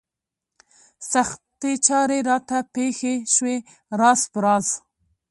سختې چارې راته پېښې شوې راز په راز.